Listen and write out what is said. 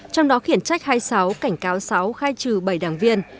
trong đó khiển trách hai mươi sáu cảnh cáo sáu khai trừ bảy đảng viên